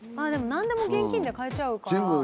でもなんでも現金で買えちゃうから。